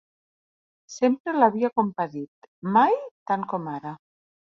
Sempre l'havia compadit, mai tant com ara.